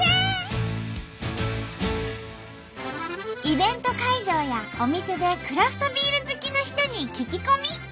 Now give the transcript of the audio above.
イベント会場やお店でクラフトビール好きの人に聞き込み！